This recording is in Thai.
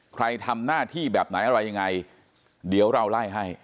ใครทำหน้าที่แบบไหนอะไรยังไงเดี๋ยวเราไล่ให้